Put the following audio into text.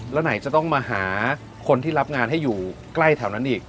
แล้วไหนจะต้องมาหาคนที่รับงานให้อยู่ใกล้แถวนั้นอีก